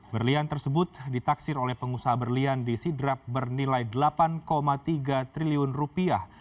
berlian tersebut ditaksir oleh pengusaha berlian di sidrap bernilai delapan tiga triliun rupiah